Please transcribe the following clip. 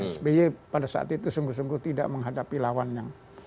sby pada saat itu sungguh sungguh tidak menghadapi lawannya